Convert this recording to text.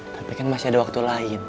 tapi kan masih ada waktu lain